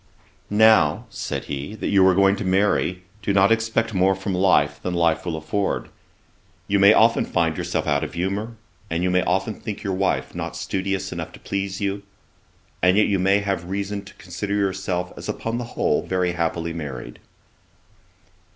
'Now (said he,) that you are going to marry, do not expect more from life, than life will afford. You may often find yourself out of humour, and you may often think your wife not studious enough to please you; and yet you may have reason to consider yourself as upon the whole very happily married.'